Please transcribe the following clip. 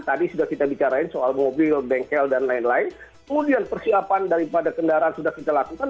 tadi sudah kita bicara soal mobil bengkel dll kemudian persiapan daripada kendaraan sudah kita lakukan